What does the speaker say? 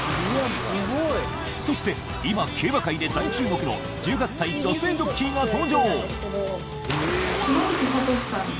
そして今競馬界で大注目の１８歳女性ジョッキーが登場。